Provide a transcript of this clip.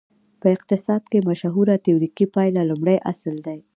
په اقتصاد کې مشهوره تیوریکي پایله لومړی اصل دی.